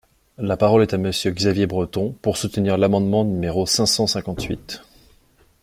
La parole est à Monsieur Xavier Breton, pour soutenir l’amendement numéro cinq cent cinquante-huit.